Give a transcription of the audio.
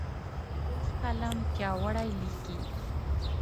پوخ قلم پیاوړی لیکي